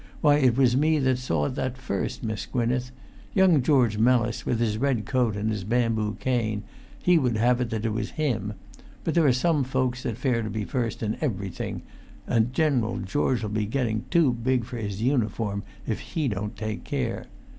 Why, it was me that saw that first, Miss Gwynneth. Young George Mellis, with his red coat and his bamboo cane, he would have it that it was him; but there are some folks that fare to be first in everything, and General George'll be getting too big for his uniform if he don't take care.